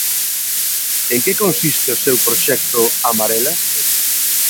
En que consiste o seu proxecto Amarelas?